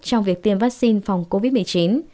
trong việc tiêm vaccine phòng covid một mươi chín